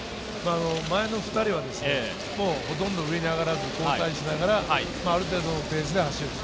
前の２人はほとんど上に上がらず、ある程度のペースで走る。